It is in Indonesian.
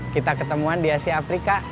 kita ketemuan di asia afrika